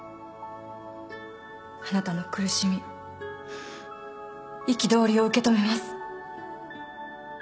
あなたの苦しみ憤りを受け止めます。